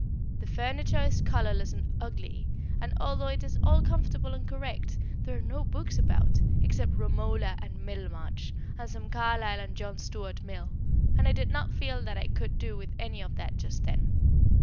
The furniture is colourless and ugly, and, although it is all comfortable and correct, there are no books about, except "Romola" and "Middlemarch" and some Carlyle and John Stuart Mill, and I did not feel that I could do with any of that just then.